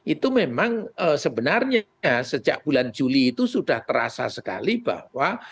itu memang sebenarnya sejak bulan juli itu sudah terasa sekali bahwa